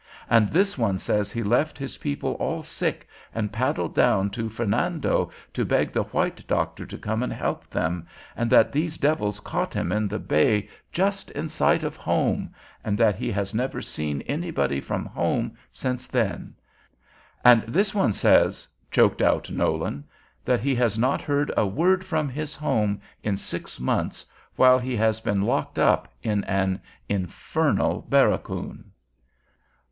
And this one says he left his people all sick, and paddled down to Fernando to beg the white doctor to come and help them, and that these devils caught him in the bay just in sight of home, and that he has never seen anybody from home since then. And this one says," choked out Nolan, "that he has not heard a word from his home in six months, while he has been locked up in an infernal barracoon."